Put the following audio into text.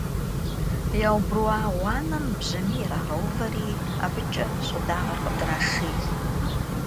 Yaubrıua ğuanem bjamiy yirağeuveri abıç'e ş'ıdağer khıdraşşêy.